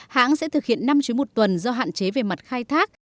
hãng sẽ thực hiện năm chuyến một tuần do hạn chế về mặt khai thác